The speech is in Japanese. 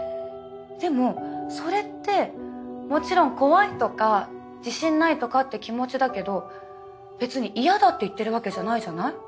でもそれってもちろん怖いとか自信ないとかって気持ちだけど別に嫌だって言ってるわけじゃないじゃない？